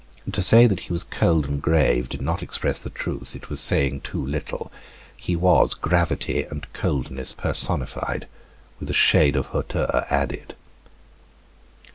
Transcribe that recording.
To say that he was cold and grave, did not express the truth, it was saying too little. He was gravity and coldness personified, with a shade of hauteur added.